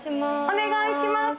お願いします！